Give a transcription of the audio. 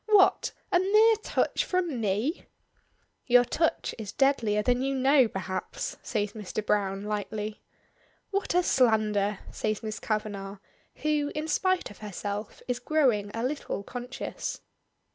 What! A mere touch from me!" "Your touch is deadlier than you know, perhaps," says Mr. Browne, lightly. "What a slander!" says Miss Kavanagh, who, in spite of herself, is growing a little conscious.